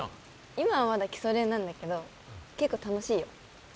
今はまだ基礎練なんだけど結構楽しいよ